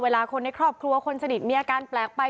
คนในครอบครัวคนสนิทมีอาการแปลกไป